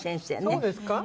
「そうですか？」